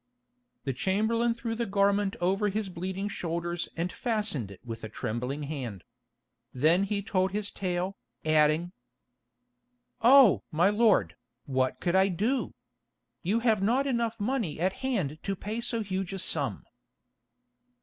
The chamberlain threw the garment over his bleeding shoulders and fastened it with a trembling hand. Then he told his tale, adding: "Oh! my lord, what could I do? You have not enough money at hand to pay so huge a sum."